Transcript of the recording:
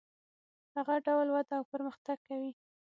هغه ډول وده او پرمختګ کوي.